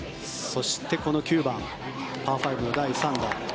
そして９番、パー５の第３打。